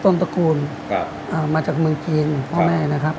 ตระกูลมาจากเมืองจีนพ่อแม่นะครับ